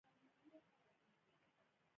دوی تر سلګونه ځله ناکامیو وروسته بریا موندلې ده